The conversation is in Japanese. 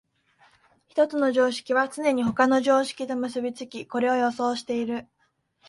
一つの常識はつねに他の常識と結び付き、これを予想している。